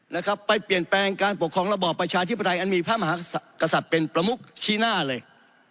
นะครับไปเปลี่ยนแปลงการปกครองระบอบประชาธิปไตยอันมีพระมหากษัตริย์เป็นประมุกชี้หน้าเลย